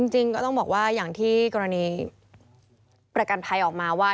จริงก็ต้องบอกว่าอย่างที่กรณีประกันภัยออกมาว่า